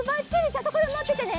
じゃあそこでまっててね。